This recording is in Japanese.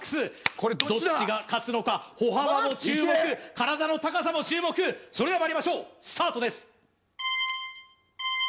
どっちが勝つのか歩幅も注目体の高さも注目それではまいりましょうスタートです